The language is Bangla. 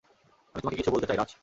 আমি তোমাকে কিছু বলতে চাই, রাজ।